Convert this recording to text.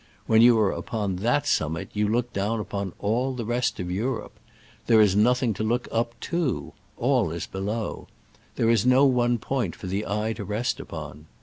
When you are upon that summit you look down upon all the rest of Europe. There is nothing to look up to — all is below; there is no one point for the eye to re?t upon.